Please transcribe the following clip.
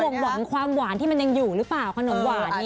จะบ่งบอกมันความหวานที่มันยังอยู่หรือเปล่าขนมหวานเนี่ย